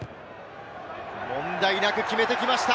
問題なく決めてきました！